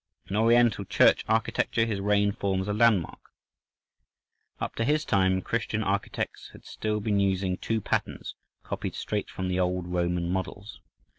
In Oriental church architecture his reign forms a landmark: up to his time Christian architects had still been using two patterns copied straight from Old Roman models.